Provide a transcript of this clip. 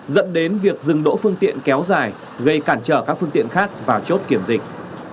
dẫn đến việc dừng đỗ phương tiện kéo dài gây cản trở các phương tiện khác vào chốt kiểm dịch